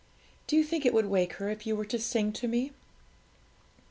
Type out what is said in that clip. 'Do you think it would wake her if you were to sing to me?'